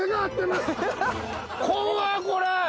怖っこれ。